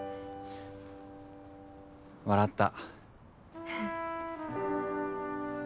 笑った。